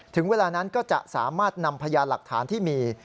ถึงเวลานั้นก็จะสามารถนำพยานหลักฐานที่มี